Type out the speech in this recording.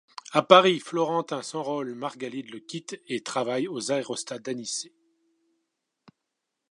À Paris, Florentin s'enrôle, Margalide le quitte et travaille aux aérostats d'Anicet.